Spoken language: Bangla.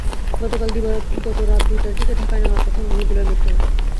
গতকাল দিবাগত রাত দুইটার দিকে ঢাকায় নেওয়ার পথে মহিদুলের মৃত্যু হয়।